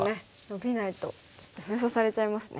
ノビないときっと封鎖されちゃいますね。